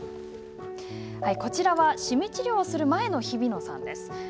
こちらはシミ治療をする前の日比野さん。